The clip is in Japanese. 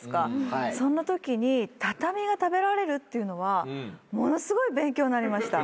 そんなときに畳が食べられるっていうのはものすごい勉強になりました。